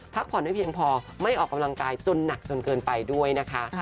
พักผ่อนไม่เพียงพอไม่ออกกำลังกายจนหนักจนเกินไปด้วยนะคะ